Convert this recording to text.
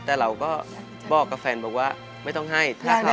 แต่เราก็บอกกับแฟนไม่ต้องให้